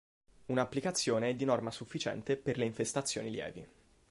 Una applicazione è di norma sufficiente per le infestazioni lievi.